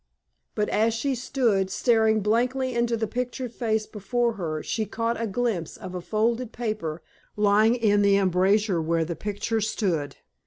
But as she stood staring blankly into the pictured face before her she caught a glimpse of a folded paper lying in the embrasure where the picture stood.